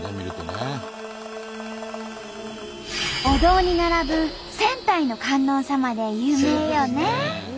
お堂に並ぶ千体の観音様で有名よね。